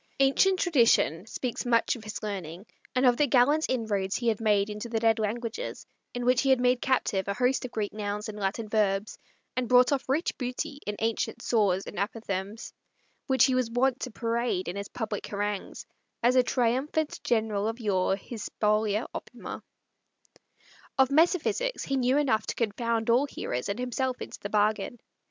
Ancient tradition speaks much of his learning, and of the gallant inroads he had made into the dead languages, in which he had made captive a host of Greek nouns and Latin verbs, and brought off rich booty in ancient saws and apothegms, which he was wont to parade in his public harangues, as a triumphant general of yore his spolia opima. Of metaphysics he knew enough to confound all hearers and himself into the bargain.